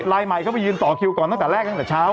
ใหม่เข้าไปยืนต่อคิวก่อนตั้งแต่แรกตั้งแต่เช้า